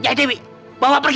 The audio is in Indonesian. jadi bawa aku pergi